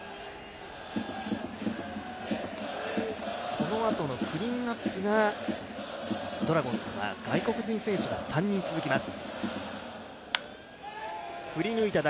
このあとのクリーンアップが、ドラゴンズは外国人選手が３人続きます。